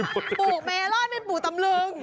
ปลูกเมลอนเป็นปู่ตำลึง